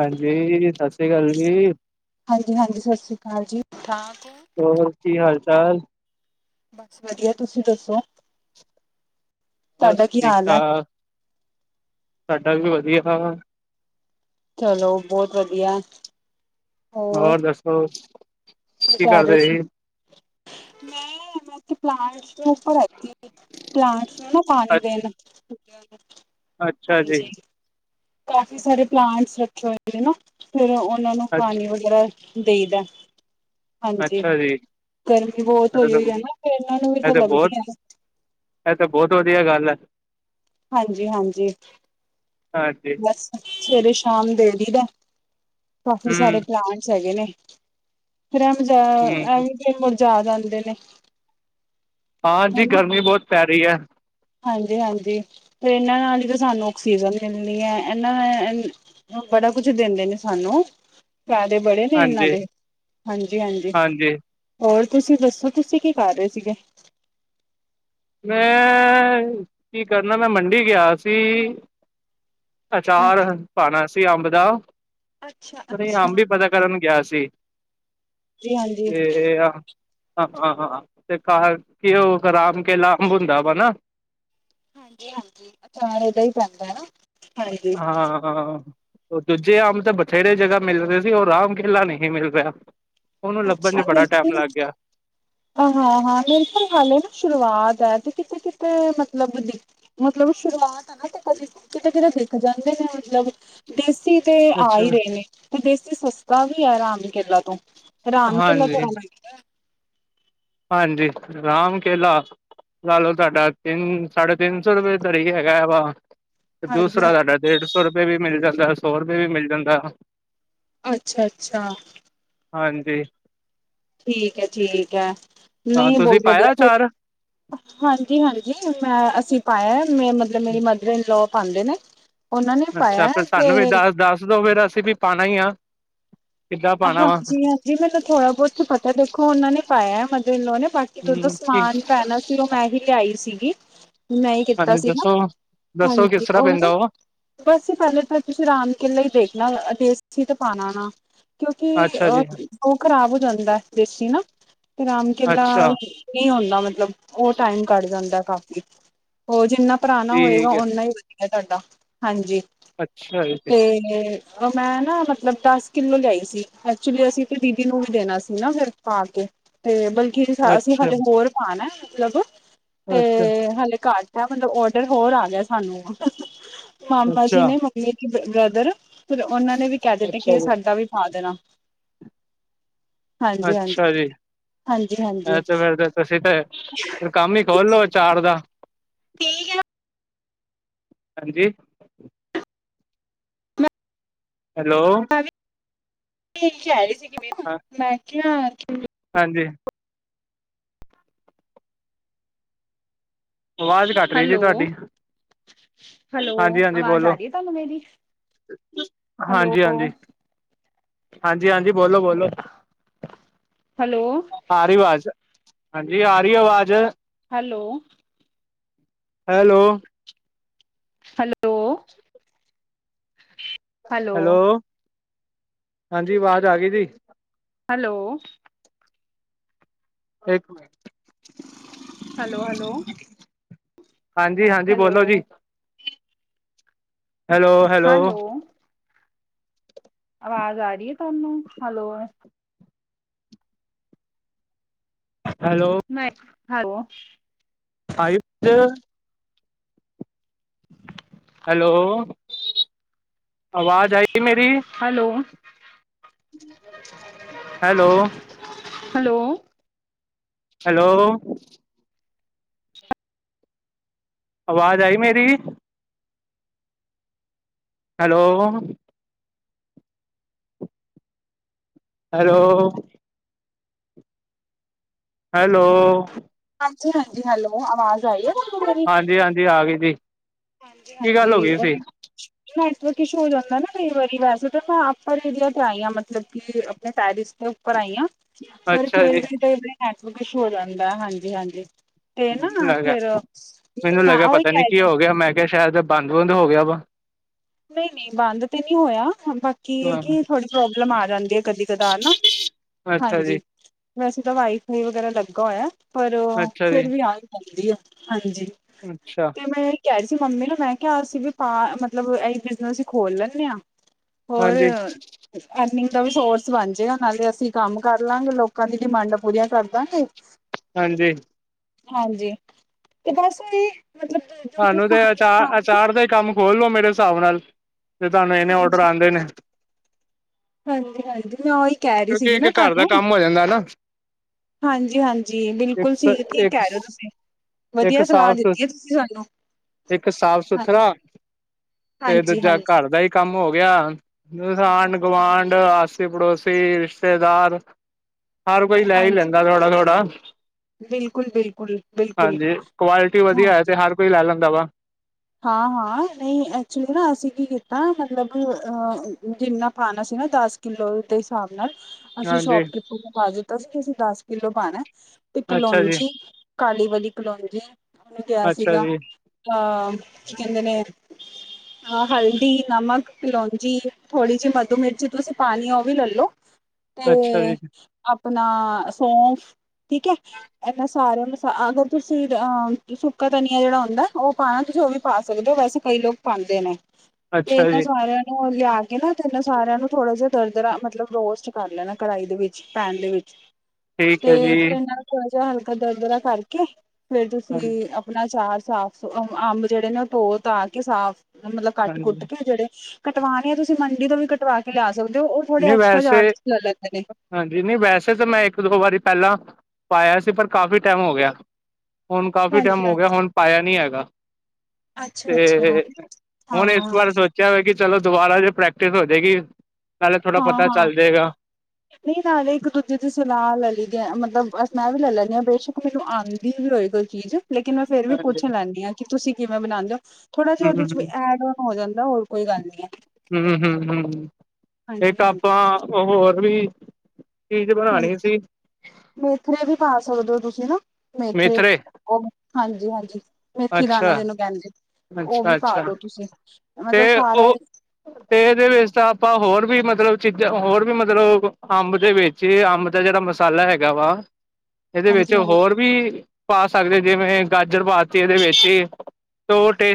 ਹਾਂਜੀ ਸਤਿ ਸ੍ਰੀ ਅਕਾਲ ਜੀ। ਹਾਂਜੀ-ਹਾਂਜੀ ਸਤਿ ਸ਼੍ਰੀ ਅਕਾਲ ਜੀ। ਠਾਕ [inaudible] ਹੋਰ ਕੀ ਹਾਲ ਚਾਲ ਬਸ ਵਧੀਆ ਤੁਸੀਂ ਦੱਸੋ। ਤੁਹਾਡਾ ਬਸ ਕੀ ਠੀਕ ਹਾਲ ਹੈ? ਠਾਕ ਸਾਡਾ ਵੀ ਵਧੀਆ ਚਲੋ ਬਹੁਤ ਵਧੀਆ। ਹੋਰ ਦੱਸੋ ਹੋਰ ਕੀ ਕਰ ਰਹੇ ਸੀ। ਮੈਂ [inaudible] ਪਲਟ ਮੈਂ ਉਪਰ ਆਈ ਤੀ ਪਲਾਂਟਸ ਨੂੰ ਨਾ ਅ ਪਾਣੀ ਦੇਨ [inaudible] ਅੱਛਾ ਜੀ ਹਾਂਜੀ ਕਾਫੀ ਸਾਰੇ ਪਲਾਂਟਸ ਰੱਖੇ ਹੋਏ ਨੇ ਨਾ। ਫਿਰ ਉਹਨਾਂ ਨੂੰ ਅ ਪਾਣੀ ਵਗੈਰਾ ਦੇਈ ਦਾ। ਹਾਂਜੀ, ਅੱਛਾ ਜੀ ਗਰਮੀ ਬਹੁਤ ਇਹ ਹੋਈ ਤਾਂ ਹੋਈ ਹੈ ਨਾ, ਫਿਰ ਇਹਨਾਂ ਨੂੰ ਵੀ ਇਹ ਤਾਂ ਲੱਗਦੀ ਬਹੁਤ ਹੈ। ਇਹ ਤਾਂ ਬਹੁਤ ਵਧੀਆ ਗੱਲ ਹੈ। ਹਾਂਜੀ- ਹਾਂਜੀ, ਹਾਂਜੀ ਬਸ। ਸਵੇਰੇ- ਸ਼ਾਮ ਦੇ ਦੀ ਦਾ। ਕਾਫੀ ਹਮ ਸਾਰੇ ਪਲਾਂਟਸ ਹੈਗੇ ਨੇ। ਫਿਰ ਐਮ ਜਾ ਹਮ ਐਵੀ ਜਿਹਾ ਮੁਰਝਾ ਜਾਣਦੇ ਨੇ। ਹਾਂਜੀ, ਹਨਾ ਗਰਮੀ ਬਹੁਤ ਪੈ ਰਹੀ ਹੈ। ਹਾਂਜੀ- ਹਾਂਜੀ, ਤੇ ਇਹਨਾਂ ਨਾਲ ਹੀ ਤਾਂ ਸਾਨੂੰ ਆਕਸੀਜਨ ਮਿਲਣੀ ਹੈ ਇਹਨਾਂ ਬੜਾ ਕੁਛ ਦਿੰਦੇ ਨੇ ਸਾਨੂੰ ਫਾਇਦੇ ਬੜੇ ਨੇ ਇਹਨਾਂ ਹਾਂਜੀ ਦੇ, ਹਾਂਜੀ -ਹਾਂਜੀ। ਹੋਰ ਤੁਸੀਂ ਦੱਸੋ, ਤੁਸੀਂ ਕਿ ਕਰ ਰਹੇ ਸੀਗੇ? ਮੈਂ, ਕਿ ਕਰਨਾ ਮੈਂ ਮੰਡੀ ਗਿਆ ਸੀ। ਅਚਾਰ ਹਾਂਜੀ ਪਾਣਾ ਸੀ ਅੰਬ ਦਾ। ਅੱਛਾ ਨਹੀਂ, ਅੱਛਾ ਅੰਬ ਹੀ ਪਤਾ ਕਰਨ ਗਿਆ ਸੀ ਜੀ ਹਾਂਜੀ ਤੇ ਆ- ਹਾਂ-ਹਾਂ -ਹਾਂ, ਤੇ ਕਿ ਉਹ ਆ ਰਾਮ ਕੇਲਾ ਅੰਬ ਹੁੰਦਾ ਵਾ ਨਾ। ਹਾਂਜੀ -ਹਾਂਜੀ, ਅਚਾਰ ਇਹਦਾ ਹੀ ਪੈਂਦਾ ਨਾ। ਹਾਂਜੀ ਹਾਂ ਹਾਂ, ਉਹ ਦੂਜੇ ਅੰਬ ਤੇ ਬਥੇਰੇ ਜਗ੍ਹਾ ਮਿਲ ਰਹੇ ਸੀ। ਉਹ ਰਾਮ ਕਿਲਾ ਨਹੀਂ ਮਿਲ ਰਿਹਾ। ਉਹਨੂੰ ਲੱਭਣ ਅੱਛਾ, ਚ ਬੜਾ ਟਾਈਮ ਫ ਲੱਗ ਗਿਆ ਆਹ! ਹਾਂ -ਹਾਂ ਮੇਰੇ ਫਿਰ ਹਾਲੇ ਨਾ ਸ਼ੁਰੂਆਤ ਹੈ ਤੇ ਕਿਤੇ- ਕਿਤੇ ਮਤਲਬ ਮਤਲਬ ਸ਼ੁਰੂਆਤ ਹੈ ਨਾ ਕ ਕਿਤੇੇ -ਕਿਤੇ ਦਿਖ ਜਾਂਦੇ ਨੇ ਮਤਲਬ ਦੇਸੀ ਤੇ ਆ ਹੀ ਰਹੇ ਨੇ। ਤੇ ਦੇਸੀ ਸਸਤਾ ਵੀ ਹੈ ਰਾਮ ਕੇਲਾ ਤੋਂ। ਰਾਮ ਕੇਲਾ ਹਾਂਜੀ [unintelligible] ਹਾਂਜੀ, ਰਾਮ ਕੇਲਾ ਲ ਲੋ ਤੁਹਾਡਾ ਤਿੰਨ- ਸਾਢੇ ਤਿੰਨ ਸੌ ਰੁਪਏ ਤ ਹੀ ਹੈਗਾ ਹੈ ਵਾ ਦੂਸਰਾ ਸਾਡਾ ਹਾਂਜੀ-ਹਾਂਜੀ ਡੇਢ ਸੌ ਰੁਪਏ ਵੀ ਮਿਲ ਜਾਂਦਾ, ਸੌ ਰੁਪਏ ਵੀ ਮਿਲ ਜਾਂਦਾ। ਅੱਛਾ -ਅੱਛਾ। ਹਾਂਜੀ ਠੀਕ ਹੈ- ਠੀਕ ਹੈ, ਹਾਂ ਨਹੀਂ ਤੁਸੀਂ ਬਹੁਤ ਵਧੀਆ ਪਾਇਆ ਫਿਰ ਅਚਾਰ ਹਾਂਜੀ -ਹਾਂਜੀ, ਮੈਂ ਅਸੀਂ ਪਾਇਆ ਮੈਂ ਮਤਲੱਬ ਮੇਰੀ ਮਦਰ ਇਨਲੋਅ ਪਾਉਂਦੇ ਨੇ। ਉਹਨਾਂ ਨੇ ਅੱਛਾ! ਪਾਇਆ ਫਿਰ ਸਾਨੂੰ ਵੀ ਤੇ ਦੱਸ ਦੱਸ ਦੋ ਫਿਰ ਅਸੀਂ ਵੀ ਪਾਉਣਾ ਹੀ ਆ। ਕਿੱਦਾਂ ਪਾਉਣਾ ਵਾ ਹਾਂਜੀ -ਹਾਂਜੀ, ਮੈਨੂੰ ਥੋੜਾ ਬਹੁਤ ਤੇ ਪਤਾ ਦੇਖੋ ਉਹਨਾਂ ਨੇ ਪਾਇਆ ਮਥਰ ਇਨ ਲਾਅ ਨੇ ਮਤਲੱਬ ਬਾਕੀ ਕਿ ਜਦੋਂ ਹਮ ਕੀ ਸਮਾਨ ਪੈਣਾ ਸੀ ਉਹ ਮੈਂ ਹੀ ਲਿਆਈ ਸੀਗੀ। ਮੈਂ ਹੀ ਕੀਤਾ ਹਾਂਜੀ ਸੀ ਨਾ। ਦੱਸੋ, ਦੱਸੋ ਕਿਸ ਹਾਂਜੀ, ਤਰ੍ਹਾਂ ਉਹ ਪੈਂਦਾ ਨਾ ਬਸ ਜੀ ਪਹਿਲੇ ਤਾਂ ਤੁਸੀਂ ਰਾਮ ਕੇਲਾ ਹੀ ਦੇਖਣਾ ਦੇਸੀ ਤੇ ਪਾਣਾ ਨਾ। ਕਿਉਂਕਿ ਅੱਛਾ ਅਹ ਜੀ ਉਹ ਖਰਾਬ ਹੋ ਜਾਂਦਾ ਦੇਸੀ ਨਾ, ਤੇ ਰਾਮ ਕਿਲਾ ਅੱਛਾ ਨਹੀਂ ਹੁੰਦਾ ਮਤਲਬ, ਉਹ ਟਾਈਮ ਕੱਢ ਜਾਂਦਾ ਕਾਫੀ। ਉਹ ਜਿੰਨਾ ਪੁਰਾਣਾ ਹੋਏਗਾ ਠੀਕ ਹੈ। ਓਨਾ ਹੀ ਵਧੀਆ ਤੁਹਾਡਾ, ਹਾਂਜੀ ਅੱਛਾ ਜੀ ਅੱਛਾ, ਤੇ ਮੈਂ ਨਾ ਮਤਲਬ ਦਸ ਕਿੱਲੋ ਲਿਆਈ ਸੀ। ਐਕਚੁਲੀ ਅਸੀਂ ਤੇ ਦੀਦੀ ਨੂੰ ਵੀ ਦੇਣਾ ਸੀ ਨਾ ਫਿਰ, ਪਾ ਕੇ। ਤੇ ਬਲਕਿ ਅਸੀਂ ਅੱਛਾ, ਹਲੇ ਹੋਰ ਪਾਣਾ ਮਤਲੱਬ, ਤੇ ਹਲੇ ਘੱਟ - ਮਤਲੱਬ ਓਡਰ ਹੋਰ ਆ ਗਿਆ ਸਾਨੂੰ, ਮਾਮਾ ਜੀ ਅੱਛਾ, ਨੇ ਮੰਮੀ ਦੇ ਬ੍ਰਦਰ ਫਿਰ ਉਹਨਾਂ ਨੇ ਵੀ ਕਹਿ ਦਿੱਤਾ ਅੱਛਾ ਕਿ ਜੀ। ਸਾਡਾ ਵੀ ਪਾ ਦੇਣਾ। ਹਾਂਜੀ ਹਾਂਜੀ ਅੱਛਾ ਜੀ, ਹਾਂਜੀ ਹਾਂਜੀ ਐ ਤੇ ਫਿਰ ਤਾਂ ਤੁਸੀਂ ਤੇ ਕੰਮ ਹੀ ਖੋਲ ਲੋੋ ਅਚਾਰ ਦਾ। ਠੀਕ ਹੈ। ਹਾਂਜੀ ਹੈਲੋ! ਮੈਂ ਵੀ ਇਹੀ ਕਹਿ ਰਹੀ ਸੀਗੀ ਮੈਨੂੰ ਹਾਂ ਮੈਂ ਕਿਹਾ ਕਿ ਹਾਂਜੀ ਆਵਾਜ਼ ਘੱਟ ਰਹੀ ਜੀ ਹੈਲੋ ਤੁਹਾਡੀ। ਹੈਲੋ ਹਾਂਜੀ ਹਾਂਜੀ ਆਵਾਜ਼ ਬੋਲੋ ਆ ਰਹੀ ਹੈ ਤੁਹਾਨੂੰ ਮੇਰੀ। ਹਾਂਜੀ ਹਾਂਜੀ ਹੈਲੋ ਹਾਂਜੀ ਹਾਂਜੀ ਬੋਲੋ ਬੋਲੋ। ਹੈਲੋ। ਆ ਰਹੀ ਆਵਾਜ਼ ਹਾਂਜੀ ਆ ਰਹੀ ਆਵਾਜ਼। ਹੈਲੋ। ਹੈਲੋ। ਹੈਲੋ। ਹੈਲੋ ਹਾਂਜੀ ਆਵਾਜ਼ ਆ ਗਈ ਜੀ। ਹੈਲੋ। ਇੱਕ ਮਿੰਟ। Hello hello. ਹਾਂਜੀ ਹਾਂਜੀ ਬੋਲੋ ਹੈਲੋ ਜੀ। ਹੈਲੋ। ਹੈਲੋ। ਆਵਾਜ਼ ਆ ਰਹੀ ਹੈ ਤੁਹਾਨੂੰ ਹੈਲੋ। ਹੈਲੋ। ਨਹੀਂ ਹੈੋ। [unintelligible] ਫਈਫ। [unintelligible] [unintelligible] ਹੈਲੋ ਆਵਾਜ਼ ਆਈ ਮੇਰੀ। ਹੈਲੋ। ਹੈਲੋ। ਹੈਲੋ। ਹੈਲੋ। ਆਵਾਜ਼ ਆਈ ਮੇਰੀ। ਹੈਲੋ। ਹੈਲੋ। ਹੈਲੋ। ਹਾਂਜੀ ਹਾਂਜੀ ਹੈਲੋ ਆਵਾਜ਼ ਆਈ ਆ ਤੁਾਨੂੰ ਮੇਰੀ। ਹਾਂਜੀ ਹਾਂਜੀ ਆ ਗਏ ਜੀ। ਹਾਂਜੀ ਕੀ ਹਾਂਜੀ ਗੱਲ ਹੋ ਗਈ ਉਹ। ਸੀ ਨੈੱਟਵਰਕ ਇਸ਼ੂ ਹੋ ਜਾਂਦਾ ਨਾ ਕਈ ਵਾਰੀ ਵੈਸੇ ਤਾਂ ਮੈਂ ਆਪ ਪਰ ਇਰੀਆ ਆਈ ਹਾਂ ਮਤਲੱਬ ਕਿ ਆਪਣੇ ਟੈਰਿਸ ਤੇ। ਉਪਰ ਆਈਆਂ ਪਰ ਅੱਛਾ ਫਿਰ ਜੀ ਵੀ ਨੈੱਟਵਰਕ ਇਸ਼ੁ ਹੋ ਜਾਂਦਾ ਹਾਂਜੀ ਹਾਂਜੀ। ਤੇ ਮੈਨੂੰ ਨਾ ਲੱਗਿਆ ਫਿਰ ਮੈਨੂੰ ਮੈਂ ਲੱਗਿਆ ਉਹੀ ਪਤਾ ਨੀ ਕਹਿ ਕੀ ਹੋ ਰਹੀ ਗਿਆ ਮੈਂ ਕਿਹਾ ਸ਼ਾਇਦ ਦੇ ਬੰਦ ਬੂੰਦ ਹੋ ਗਿਆ ਵਾ। ਨਹੀਂ ਨਹੀਂ ਬੰਦ ਤਾਂ ਨਹੀਂ ਹੋਇਆ ਬਾਕੀ ਇਹ ਹਾਂ ਕਿ ਥੋੜ੍ਹੀ ਪ੍ਰੋਬਲਮ ਆ ਜਾਂਦੀ ਹੈ ਕਦੀ ਕਦਾਰ ਨਾ। ਅੱਛਾ ਹਾਂਜੀ ਜੀ। ਵੈਸੇ ਤਾਂ ਵਾਈ ਫਾਈ ਵਗੈਰਾ ਲੱਗਾ ਹੋਇਆ ਪਰ ਅੱਛਾ ਜੀ ਫਿਰ ਵੀ ਆ ਹੀ ਜਾਂਦੀ ਆ। ਹਾਂਜੀ। ਅੱਛਾ। ਤੇ ਮੈਂ ਇਹ ਕਹਿ ਰਹੀ ਸੀ ਮੰਮੀ ਨੂੰ ਮੈਂ ਕਿਹਾ ਅਸੀ ਵੀ ਤਾਂ ਮਤਲੱਬ ਇਹੀ ਬਿਜਨਸ ਖੋਲ ਲੈਂਦੇ ਹਾਂ। ਹੋਰ। ਹਾਂਜੀ [unintelligible] ਅਰਨਿੰਗ ਦਾ ਵੀ ਸੋਰਸ ਬਣ ਜਾਏਗਾ ਨਾਲੇ ਅਸੀਂ ਕੰਮ ਕਰ ਲਾਂਗੇ ਲੋਕਾਂ ਦੀ ਡਿਮਾਂਡਾਂ ਪੂਰੀਆਂ ਕਰ ਦਾਗੇ। ਹ। ਹਾਂਜੀ। ਹਾਂਜੀ ਤੇ ਬਸ ਉਹੀ। ਤੁਹਾਨੂੰ ਤੇ ਅਚਾਰ ਅਚਾਰ ਦੇ ਕੰਮ ਖੋਲੋ ਮੇਰੇ ਹਿਸਾਬ ਨਾਲ। ਤੇ ਤੁਹਾਨੂੰ ਇਹਨੇ ਔਡਰ ਹਾਂਜੀ ਆਉਂਦੇ ਨੇ। ਹਾਂਜੀ ਹਾਂਜੀ ਮੈਂ ਉਹੀ ਕਹਿ ਰਹੀ ਕਿਉਂਕਿ ਸੀਗੀ ਇੱਕ ਨਾ ਘਰ ਦਾ ਤੁਹਾਨੂੰ। ਕੰਮ ਹੋ ਜਾਂਦਾ ਨਾ ਹਾਂਜੀ ਹਾਂਜੀ ਬਿਲਕੁਲ ਇੱਕ ਠੀਕ ਕਹਿ ਇੱਕ ਰਹੇ ਹੋ ਤੁਸੀਂ। ਇੱਕ ਵਧੀਆ ਸਲਾਹ ਸਾਫ਼ ਸੁਥ ਦਿੱਤੀ ਹੈ ਤੁਸੀਂ ਸਾਨੂੰ। ਇੱਕ ਸਾਫ ਹਾਂਜੀ, -ਸੁਥਰਾ ਤੇ ਦੂਜਾ ਹਾਂਜੀ-ਹਾਂਜੀ, ਘਰ ਦਾ ਹੀ ਕੰਮ ਹੋ ਗਿਆ। ਆਂਢ-ਗੁਵਾਂਢ, ਆਸੀ-ਪੜੋਸੀ, ਰਿਸ਼ਤੇਦਾਰ ਹਰ ਕੋਈ ਲੈ ਹੀ ਹਾਂਜੀ ਲੈਂਦਾ ਥੋੜਾ-ਥੋੜਾ ਬਿਲਕੁਲ-ਬਿਲਕੁਲ, ਬਿਲਕੁਲ ਬਿਲਕੁਲ ਬਿਲਕੁਲ ਹਾਂਜੀ। ਕੁਆਲਿਟੀ ਵਧੀਆ ਹੈ ਹਾਂਜੀ। ਤੇ ਹਰ ਕੋਈ ਲੈ ਲੈਂਦਾ ਵਾ। ਹਾਂ-ਹਾਂ ਨਹੀਂ ਐਕਚੁਲੀ ਨਾ ਅਸੀਂ ਕੀ ਕੀਤਾ ਮਤਲਬ ਜਿੰਨਾ ਪਾਉਣਾ ਸੀ ਨਾ ਦਸ ਕਿਲੋ ਦੇ ਹਿਸਾਬ ਨਾਲ ਅਸੀਂ ਹਾਂਜੀ ਸ਼ੋਪਕੀਪਰ ਨੂੰ ਪਾ ਦਿੱਤਾ ਸੀ ਕਿ ਅਸੀਂ ਦਸ ਕਿਲੋ ਪਾਣਾ। ਤੇ ਅੱਛਾ ਜੀ ਕਲੋਂਜੀ ਕਾਲੀ ਵਾਲੀ ਕਲੋਂਜੀ ਲਿਆ ਅੱਛਾ ਸੀਗਾ, ਜੀ ਅਹ ਕੀ ਕਹਿੰਦੇ ਨੇ? ਅ ਹਲਦੀ, ਨਮਕ, ਲੋਂਜੀ ਥੋੜ੍ਹੀ ਜਿਹੀ ਮਧੂ ਮਿਰਚ ਤੁਸੀਂ ਪਾਣੀ ਆ, ਉਹ ਵੀ ਲੈਲੋ। [unintelligible] [inaudible] ਅੱਛਾ ਤੇ ਜੀ ਆਪਣਾ ਸੌਫ, ਠੀਕ ਹੈ? ਇਹਨਾਂ ਸਾਰਿਆਂ ਨੂੰ ਹਾਂ ਅਗਰ ਤੁਸੀਂ, ਸੁੱਕਾ ਧਨੀਆ ਜਿਹੜਾ ਹੁੰਦਾ ਉਹ ਪਾਉਣਾ ਤੁਸੀਂ ਉਹ ਵੀ ਪਾ ਸਕਦੇ ਹੋ, ਵੈਸੇ ਕਈ ਲੋਕ ਪਾਦੇ ਨੇ ਤੇ ਅੱਛਾ ਇਹਨਾਂ ਜੀ ਸਾਰਿਆਂ ਉਹ ਲਿਆ ਕੇ ਨਾ ਏਨਾ ਸਾਰਿਆਂ ਨੂੰ ਥੋੜਾ ਜਿਹਾ ਦਰਦਰਾ ਮਤਲਬ ਰੋਸਟ ਕਰ ਲੈਣਾ ਕੜਾਹੀ ਦੇ ਵਿੱਚ। ਪੈਨ ਦੇ ਵਿੱਚ। ਠੀਕ ਹੈ ਤੇ ਜੀ ਫੇਰ ਨਾਲ ਥੋੜ੍ਹਾ ਜਿਹਾ ਹਲਕਾ ਦਰ ਦਰਾ ਕਰਕੇ ਫੇਰ ਹਾਂਜੀ ਤੁਸੀਂ ਅਪ ਪਣਾ ਚਾਰ ਸਾਫ਼ ਅ ਅੰਬ ਜਿਹੜੇ ਨੇ ਉਹ ਧੋ -ਧਾ ਕੇ ਸਾਫ ਮਤਲਬ ਹਾਂਜੀ ਕੱਟ-ਕੁੱਟ ਕੇ ਜਿਹੜੇ ਕਟਵਾਉਣੇ ਆ ਤੁਸੀਂ ਮੰਡੀ ਤੋਂ ਵੀ ਕਟਵਾ ਕੇ ਲਿਆ ਸਕਦੇ ਹੋ ਉਹ ਥੋੜ੍ਹੇ ਨਹੀਂ ਐਕਸਟਰਾ ਵੈਸੇ ਚਾਰਜ ਲੈ ਲੈਂਦੇ ਨੇ। ਨਹੀਂ ਵੈਸੇ ਤਾਂ ਮੈਂ ਇੱਕ-ਦੋ ਵਾਰੀ ਪਹਿਲਾਂ ਪਾਇਆ ਸੀ ਪਰ ਕਾਫੀ ਟਾਈਮ ਹੋ ਗਿਆ ਹੁਣ ਕਾਫੀ ਹਾਂਜੀ ਟਾਈਮ ਹਾਂਜੀ ਹੋ ਗਿਆ ਹੁਣ ਪਾਇਆ ਨਹੀ ਹੈਗਾ ਅੱਛਾ-ਅੱਛਾ ਹਾਂ। ਚਲੋ ਕਿ ਚਲੋ ਦੁਬਾਰਾ ਜੇ ਪ੍ਰੈਕਟਿਸ ਹੌਜੇਗੀ। ਹਾਂ ਹਾਂ। ਨਹੀਂ, ਨਾਲੇ ਇੱਕ ਦੂਜੇ ਦੀ ਸਲਾਹ ਲੈ ਲਈ ਦੀ ਆ, ਮਤਲਬ ਅ ਮੈਂ ਵੀ ਲੈ ਲੇਂਦੀ ਆ, ਬੇਸ਼ੱਕ- ਮੈਨੂੰ ਆਂਦੀ ਵੀ ਹੋਏ ਕੋਈ ਚੀਜ਼। ਲੇਕਿਨ ਮੈਂ ਫੇਰ ਵੀ ਹਮ ਪੁੱਛਣ ਲੈਂਦੀ ਆ ਕਿ ਤੁਸੀਂ ਕਿਵੇਂ ਬਣਾਉਦੇ ਹੋ, ਥੋੜਾ ਜਿਹਾ ਉਹਦੇ 'ਚ ਵੀ ਹਮ ਐਡ ਹੋ ਜਾਂਦਾ ਹੋਰ ਕੋਈ ਗੱਲ ਨੀ ਹੈ। ਹੂੰ-ਹੂੰ-ਹੂੰ ਇੱਕ ਹਾਂਜੀ-ਹਾਂਜੀ। ਆਪਾਂ ਹੋਰ ਵੀ ਚੀਜ਼ ਹਾਂਜੀ, ਹਾਂਜੀ ਬਣਾਣੀ ਸੀ। ਮੇਥਰੇ ਵੀ ਪਾ ਸਕਦੇ ਹੋ ਤੁਸੀਂ ਨਾ, ਮੇਥਰੇ, ਉਹ ਹਾਂਜੀ- ਹਾਂਜੀ। ਮੇਥੀ ਅੱਛਾ ਦਾਾਨ ਜਿਹਨੂੰ ਕਹਿੰਦੇ। ਉਹ ਵੀ ਅੱਛਾ ਪਾ ਅੱਛਾ ਦੋ ਤੁਸੀਂ ਤੇ ਮਤਲਬ ਸਾਰਾ ਉਹ ਤੇ ਇਹਦੇ ਵਿੱਚ ਤਾਂ ਆਪਾਂ, ਹੋਰ ਵੀ ਮਤਲਬ ਚੀਜ਼ਾਂ, ਹੋਰ ਵੀ ਮਤਲਬ ਅੰਬ ਦੇ ਵਿੱਚ ਜੇ ਅੰਬ ਦਾ ਜਿਹੜਾ ਮਸਾਲਾ ਹੈਗਾ ਵਾ। ਇਹਦੇ ਵਿੱਚ ਹਾਂਜੀ-ਹਾਂਜੀ। ਹੋਰ ਵੀ, ਪਾ ਸਕਦੇ ਜਿਵੇਂ ਗਾਜਰ ਪਾਤੀ ਇਹਦੇ ਵਿੱਚ ਹੀ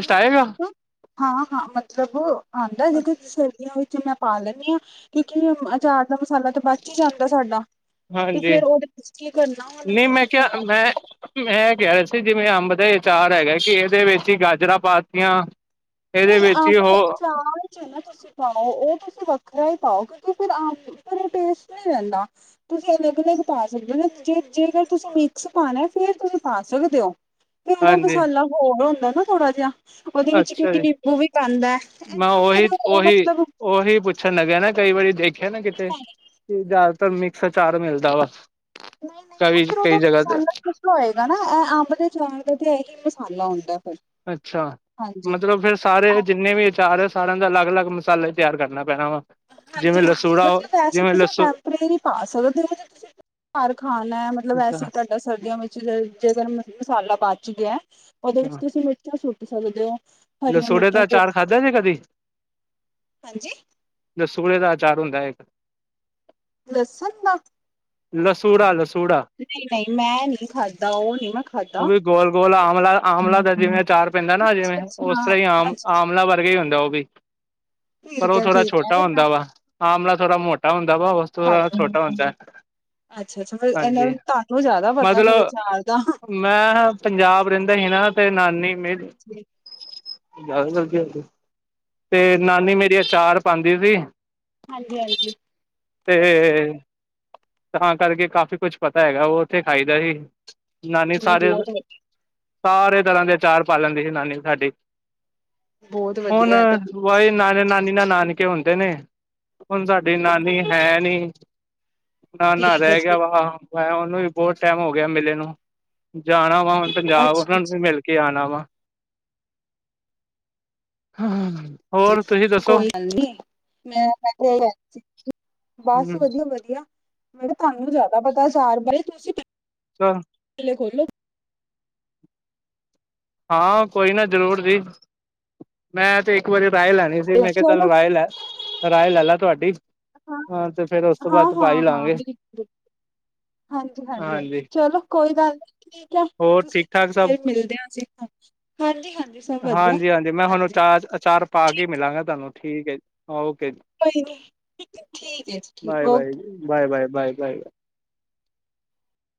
ਹ [unintelligible] [inaudible] ਹਾਂ-ਹਾਂ ਮਤਲਬ ਆਉਂਦਾ ਜਿਦੇ 'ਚ ਸਰਦੀਆਂ ਵਿੱਚ ਮੈਂ ਪਾ ਲੈਂਨੀ ਆ। ਕਿਉਂਕਿ ਅਚਾਰ ਦਾ ਮਸਾਲਾ ਤਾਂ ਬਚ ਈ ਜਾਂਦਾ ਸਾਡਾ ਤੇ ਹਾਂਜੀ ਫੇਰ ਉਹਦੇ ਵਿੱਚ ਕੀ ਕਰਨਾ ਹੁਣ ਨਹੀਂ ਮੈਂ ਕਿਹਾ ਮਤਲਬ- ਮੈਂ ਮੈਂ ਕਹਿ ਰਿਹੇ ਸੀ ਜਿਵੇਂ ਅੰਬ ਦਾ ਵਿਚਾਰ ਹੈਗਾ ਕਿ ਇਹਦੇ ਵਿੱਚ ਹੀ ਗਾਜਰਾਂ ਪਾਤੀਆਂ- ਇਹਦੇ ਵਿੱਚ ਹੀ ਉਹ- ਵਿਚ ਨਾ ਤੁਸੀਂ ਪਾਓ, ਉਹ ਤੁਸੀਂ ਵੱਖਰਾ ਹੀ ਪਾਓ ਕਿਉਂਕਿ ਫਿਰ ਅੰਬ ਫਿਰ ਉਹ ਟੇਸਟ ਨਹੀਂ ਰਹਿੰਦਾ। ਤੁਸੀਂ ਅਲੱਗ ਅਲੱਗ ਪਾ ਸਕਦੇ ਹੋ ਨਾ, ਜੇ ਜੇਕਰ ਤੁਸੀਂ ਮਿਕਸ ਪਾਣਾ ਫੇਰ ਤੁਸੀਂ ਪਾ ਸਕਦੇ ਹੋ। ਤੇ ਉਹਦਾ ਹਾਂਜੀ ਮਸਾਲਾ ਹੋਡ ਹੁੰਦਾ ਨਾ ਥੋੜਾ ਜਿਹਾ, ਉਹਦੇ ਵਿੱਚ ਅੱਛਾ ਜੀ ਨਿੰਬੂ ਵੀ ਪੈਂਦਾ, ਮੈਂ ਏਦਾ ਫੇਰ ਉਹੀ ਉਹ ਉਹੀ ਮਤਲਬ ਉਹੀ ਪੁੱਛਣ ਲਗਾ ਨਾ, ਕਈ ਵਾਰੀ ਦੇਖਿਆ ਨਾ ਕਿਤੇ, ਕਿ ਜ਼ਿਆਦਾਤਰ ਮਿਕਸ ਅਚਾਰ ਮਿਲਦਾ ਵਾ। ਨਹੀਂ-ਨਹੀਂ ਉਹ ਕਈ ਫਿਰ ਉਹਦਾ ਕਈ ਜਗ੍ਹਾ ਤੇ ਮਸਾਲਾ ਹੋਏਗਾ ਨਾ ਇਹ ਅੰਬ ਦੇ ਅਚਾਰ ਦੇ ਤੇ ਇਹੀ ਮਸਾਲਾ ਹੁੰਦਾ ਫਿਰ। ਅੱਛਾ! ਹਾਂਜੀ ਮਤਲਬ ਫੇਰ- ਸਾਰੇ ਜਿੰਨੇ ਵੀ ਆਚਾਰ ਹੈ, ਸਾਰਿਆਂ ਦਾ ਅਲੱਗ- ਅਲੱਗ ਮਸਾਲੇ ਤਿਆਰ ਕਰਨਾ ਪੈਣਾ ਵਾ। ਹਾਂਜੀ- ਜਿਵੇਂ ਹਾਂਜੀ ਲਸੂੜਾ ਮਤਲਬ ਵੈਸੇ ਜਿਵੇਂ ਤੁਸੀਂ ਲਸੂ ਟੈਂਪਰੇਰੀ ਪਾ ਸਕੋ ਜ ਤੁਸੀਂ। ਘਰ ਖਾਣਾ ਮਤਲਬ ਅੱਛਾ ਵੈਸੀੇ ਕਦੇ। ਸਰਦੀਆਂ ਵਿੱਚ ਜਿਸ ਦਿਨ ਮਸਾਲਾ ਬਚ ਗਿਆ ਉਹਦੇ ਵਿੱਚ ਤੁਸੀਂ ਮਿਰਚ। ਸੁੱਟ ਸਕਦੇ ਹੋ। ਹਰੀਆਂ ਲਸੋੜੇ ਮਿਰਚਾਂ ਦਾ ਚ ਅਚਾਰ ਖਾਧਾ ਜੇ ਕਦੀ। ਹਾਂਜੀ ਰਸੋੜੇ ਦਾ ਅਚਾਰ ਹੁੰਦਾ ਇੱਕ। ਲਸਨ ਦਾ? ਲਸੂੜਾ, ਲਸੂੜਾ। ਨਹੀਂ- ਨਹੀਂ ਮੈਂ ਨਹੀਂ ਖਾਧਾ, ਉਹ ਨਹੀਂ ਮੈਂ ਖਾਧਾ। ਉਹ ਵੀ ਗੋਲ- ਗੋਲ ਆਮਲਾ, ਆਮਲਾ ਦਾ ਜਿਵੇਂ ਅਚਾਰ ਪੈਂਦਾ ਨਾ ਜਿਵੇਂ, ਅੱਛਾ ਉਸ ਤਰਾਂ ਹੀ ਅੱਛਾ ਆਮ- ਅੱਛਾ ਆਮ। ਵਰਗਾ ਹੀ ਹੁੰਦਾ ਉਹ ਵੀ, ਪਰ ਠੀਕ ਉਹ ਹੈ ਥੋੜਾ ਠੀਕ ਹੈ ਛੋਟਾ ਨਹੀਂ ਮੈਂ ਹੁੰਦਾ ਵਾ। ਆਮਲਾ ਥੋੜਾ ਮੋਟਾ ਹੁੰਦਾ ਵਾ। ਓਸਤੂ ਖਾ ਥੋੜਾ ਲਵਾਂ। ਛੋਟਾ ਹੁੰਦਾ। ਅੱਛਾ- ਅੱਛਾ ਫੇਰ ਇਹਨੇ ਹਾਂਜੀ ਤੁਹਾਨੂੰ ਜ਼ਿਆਦਾ ਪਤਾ ਫੇਰ ਮਤਲਬ ਅਚਾਰ ਦਾ। ਮੈਂ। ਪੰਜਾਬ ਰਹਿੰਦਾ ਈ ਨਾ, ਤੇ ਨਾਨੀ ਮੇਰੀ। ਤੇ ਨਾਨੀ ਮੇਰੀ ਆਚਾਰ ਪਾਉਂਦੀ ਸੀ। ਹਾਂਜੀ- ਹਾਂਜੀ। ਤੇ। ਤਾਂ ਕਰਕੇ ਕਾਫ਼ੀ ਕੁਛ ਪਤਾ ਹੈਗਾ, ਉਹ ਉੱਥੇ ਖਾਈ ਦਾ ਹੀ। ਨਾਨੀ ਨਹੀਂ ਸਾਰੇ, ਬਹੁਤ ਵਧੀਆ ਸਾਰੇ ਤਰਾਂ ਦੇ ਅਚਾਰ ਪਾ ਲੈਂਦੀ ਸੀ ਨਾਨੀ ਸਾਡੀ। ਬਹੁਤ ਹੁਣ ਵਧੀਆ ਤੇ ਬ ਨਾਨੇ- ਨਾਨੀ ਨਾਲ ਨਾਨਕੇ ਹੁੰਦੇ ਨੇ। ਹੁਣ ਸਾਡੀ ਨਾਨੀ ਹੈ ਨੀ। ਨਾ ਨਾ ਠੀਕ ਹੈ ਰਹਿ ਜੀ ਗਿਆ ਵਾ, ਮੈਂ ਉਹਨੂੰ ਵੀ ਬਹੁਤ ਟਾਈਮ ਹੋ ਗਿਆ ਮਿਲੇ ਨੂੰ, ਜਾਣਾ। ਹੁਣ ਪੰਜਾਬ ਅੱਛਾ ਉਹਨਾਂ ਨੂੰ ਵੀ ਅੱਛਾ ਮਿਲ ਕੇ ਆਉਣਾ ਵਾ। ਹਾ- ਹਾ। ਕੋਈ ਗੱਲ ਨੀ ਮੈਂ [unintelligible] ਬਸ ਹਮ ਵਧੀਆ- ਵਧੀਆ ਮੈਂ ਕਿਹਾ ਤੁਹਾਨੂੰ ਜ਼ਿਆਦਾ ਪਤਾ ਅਚਾਰ ਬਾਰੇ, ਤੁਸੀਂ। ਚਲ। ਥੱਲੇ ਖੋਲਿਓ। ਹਾਂ ਕੋਈ ਨਾ ਜ਼ਰੂਰ ਜੀ। ਮੈਂ ਤੇ ਇੱਕ ਵਾਰੀ ਰਾਹਿ ਲੈਣੀ ਸੀ। ਮੈਂ ਕਿਹਾ ਚਲੋ ਚੱਲ ਰਾਹਿ ਲੈ। ਰਾਏ ਲੈ ਲਾ ਤੁਹਾਡੀ। ਹਾਂ ਤੇ ਫੇਰ ਉਸ ਤੋਂ ਬਾਅਦ ਪਾਈ ਲਾਂਗੇ। ਹਾਂਜੀ- ਹਾਂਜੀ, ਹਾਂਜੀ ਚਲੋ ਕੋਈ ਗੱਲ ਨੀ, ਠੀਕ ਹੈ। ਹੋਰ ਤੁਸੀਂ। ਠੀਕ ਠਾਕ ਸਭ ਫੇਰ ਮਿਲਦੇ ਹਾ ਅਸੀਂ ਹ ਹਾਂਜੀ- ਹਾਂਜੀ। ਹਾਂਜੀ- ਹਾਂਜੀ ਮੈਂ ਤੁਹਾਨੂੰ ਅਚਾਰ, ਅਚਾਰ ਪਾ ਕੇ ਠੀਕ ਮਿਲਾਂਗਾ ਤੁਹਾਨੂੰ। ਠੀਕ ਹੈ ਜੀ, ਓਕੇ ਜੀ। ਕੋਈ ਨੀ, ਠੀਕ ਹੈ ਜੀ, ਠੀਕ bye okay. Bye, bye, bye, bye- bye.